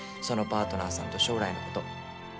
そのパートナーさんと将来のこと。